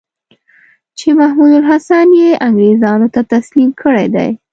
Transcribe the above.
چې محمودالحسن یې انګرېزانو ته تسلیم کړی دی.